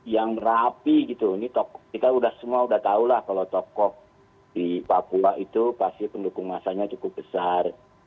yang rapi gitu ini kita sudah semua udah tahu lah kalau tokoh di papua itu pasti pendukung masanya cukup besar